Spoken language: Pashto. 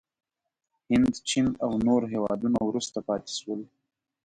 هند، چین او نور هېوادونه وروسته پاتې شول.